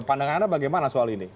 pandangan anda bagaimana soal ini